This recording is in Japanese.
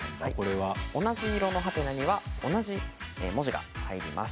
同じ色の「？」には同じ文字が入ります。